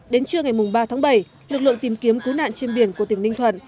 đến trưa ngày ba tháng bảy lực lượng tìm kiếm cứu nạn trên biển của tỉnh ninh thuận